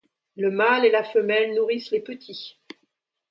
Le mâle et la femelle nourrissent les petits.